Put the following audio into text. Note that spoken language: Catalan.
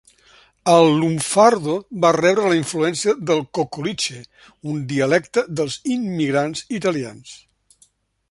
El lunfardo va rebre la influència del cocoliche, un dialecte dels immigrants italians.